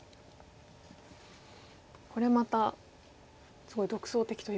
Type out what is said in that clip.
これまたすごい独創的というか。